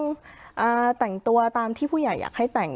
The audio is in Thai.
เพราะฉะนั้นทำไมถึงต้องทำภาพจำในโรงเรียนให้เหมือนกัน